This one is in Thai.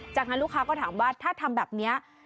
จากนั้นลูกค้าก็ถามว่าถ้าทำแบบนี้